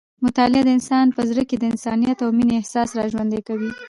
مطالعه د انسان په زړه کې د انسانیت او مینې احساس راژوندی کوي.